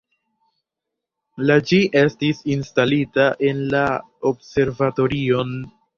La ĝi estis instalita en la observatorion.